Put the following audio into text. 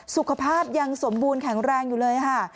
สุขภาพยังสมบูรณ์แข็งแรงอยู่เลยค่ะ